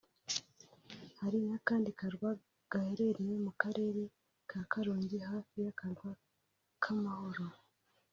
Hari n’akandi karwa gaherereye mu Karere ka Karongi hafi y’Akarwa k’Amahoro